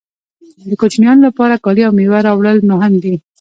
د کوچنیانو لپاره کالي او مېوه راوړل مهم دي